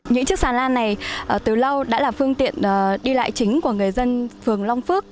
những chiếc sàn lan này từ lâu đã là phương tiện đi lại chính của người dân phường long phước